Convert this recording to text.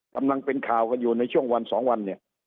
ตำรังเป็นข่ากันอยู่ในช่วงสองวัน